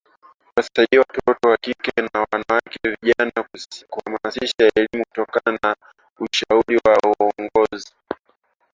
kuwasaidia watoto wa kike na wanawake vijana kuhamasisha elimu kutoa ushauri na uongozi